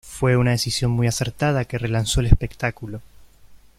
Fue una decisión muy acertada que relanzó el espectáculo.